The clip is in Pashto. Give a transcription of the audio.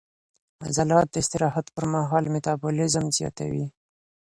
عضلات د استراحت پر مهال میټابولیزم زیاتوي.